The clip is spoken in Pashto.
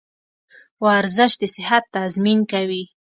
ورزش د صحت تضمین کوي.